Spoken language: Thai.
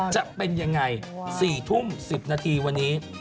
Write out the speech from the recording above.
จะเป็นยังไง๔ทุ่ม๑๐นาทีวันนี้